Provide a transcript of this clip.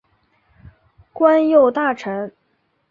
官右大臣。